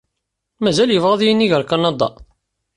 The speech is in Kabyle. Mazal yebɣa ad yinig ɣer Kanada?